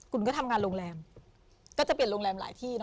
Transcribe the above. คุณก็ทำงานโรงแรม